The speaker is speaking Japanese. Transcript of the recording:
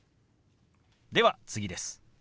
では次です。